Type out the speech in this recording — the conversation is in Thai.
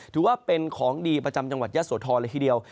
ถือว่าเป็นของดีประจำจังหวัดยะโสธรเลยทีเดียว